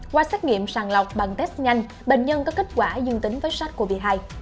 qua xét nghiệm sàng lọc bằng test nhanh bệnh nhân có kết quả dương tính với sách covid một mươi chín